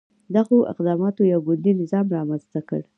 دغو اقداماتو یو ګوندي نظام رامنځته کړ.